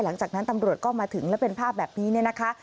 หลังจากนั้นตำรวจก็มาถึงแล้วเป็นภาพแบบนี้เนี่ยนะคะ